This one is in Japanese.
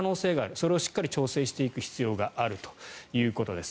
それをしっかり調整していく必要があるということです。